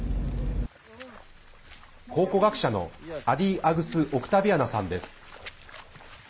考古学者のアディ・アグス・オクタビアナさんです。